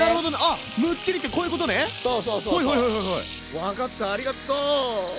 分かったありがとう！